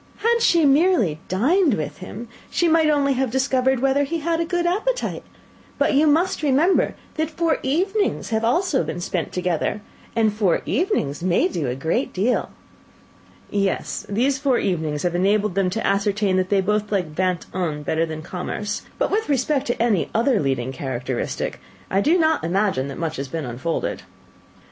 Had she merely dined with him, she might only have discovered whether he had a good appetite; but you must remember that four evenings have been also spent together and four evenings may do a great deal." "Yes: these four evenings have enabled them to ascertain that they both like Vingt un better than Commerce, but with respect to any other leading characteristic, I do not imagine that much has been unfolded."